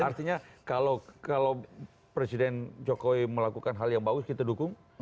artinya kalau presiden jokowi melakukan hal yang bagus kita dukung